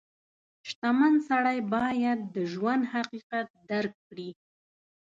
• شتمن سړی باید د ژوند حقیقت درک کړي.